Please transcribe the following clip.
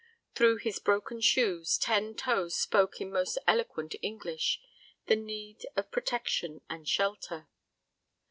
Through his broken shoes, ten toes spoke in most eloquent English the need of protection and shelter.